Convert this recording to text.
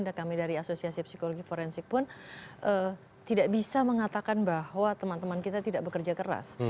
dan kami dari asosiasi psikologi forensik pun tidak bisa mengatakan bahwa teman teman kita tidak bekerja keras